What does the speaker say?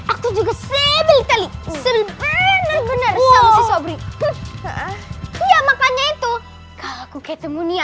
aku juga sebelitali benar benar ya makanya itu aku ketemu nia